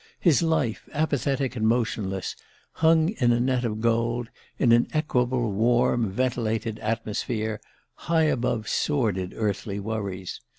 His life, apathetic and motionless, hung in a net of gold, in an equable warm ventilated atmosphere, high above sordid earthly worries.